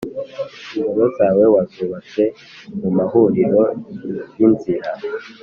Ingoro zawe wazubatse mu mahuriro y inzira